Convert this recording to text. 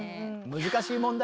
難しい問題だね。